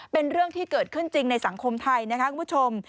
เป็นเรื่องที่เกิดขึ้นจริงในสังคมไทยนะคะคุณผู้ชม